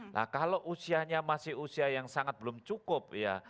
nah kalau usianya masih usia yang sangat belum cukup ya